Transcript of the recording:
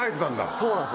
そうなんです。